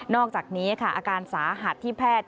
อกจากนี้ค่ะอาการสาหัสที่แพทย์